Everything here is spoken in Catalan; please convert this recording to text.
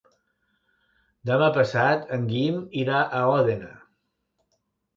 Demà passat en Guim irà a Òdena.